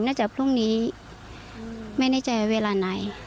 จากพรุ่งนี้ไม่แน่ใจเวลาไหน